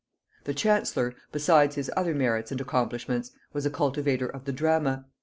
The chancellor, besides his other merits and accomplishments, was a cultivator of the drama.